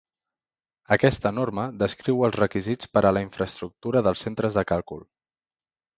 Aquesta norma descriu els requisits per a la infraestructura dels centres de càlcul.